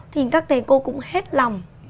thì các thầy cô cũng hết lòng